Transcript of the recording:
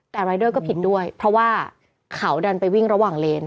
แต่รายเดอร์ก็ผิดด้วยเพราะว่าเขาดันไปวิ่งระหว่างเลน